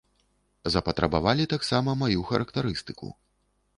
Запатрабавалі таксама маю характарыстыку.